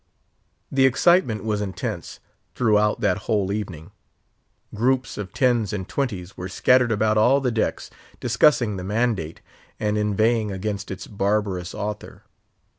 The excitement was intense throughout that whole evening. Groups of tens and twenties were scattered about all the decks, discussing the mandate, and inveighing against its barbarous author.